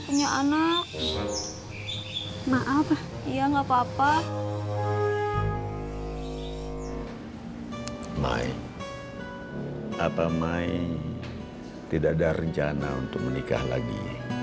punya anak maaf ya nggak apa apa mai apa mai tidak ada rencana untuk menikah lagi